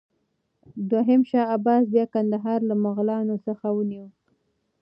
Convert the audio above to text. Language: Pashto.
دوهم شاه عباس بیا کندهار له مغلانو څخه ونیوه.